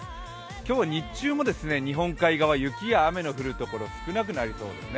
今日は日中も日本海側、雪や雨の降るところが少なくなりそうですね。